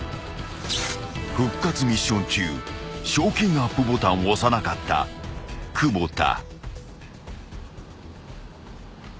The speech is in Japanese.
［復活ミッション中賞金アップボタンを押さなかった久保田］